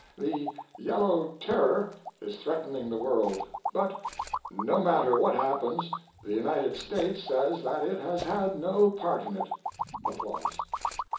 The 'Yellow Terror' is threatening the world, but no matter what happens the United States says that it has had no part in it. [Applause.